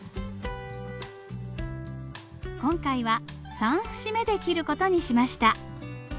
今回は３節目で切る事にしました。